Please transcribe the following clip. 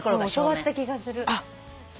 教わった気がする。